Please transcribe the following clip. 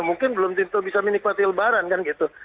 mungkin belum tentu bisa menikmati lebaran kan gitu